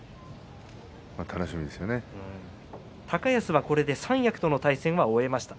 高安はこれで三役との対戦を終えました。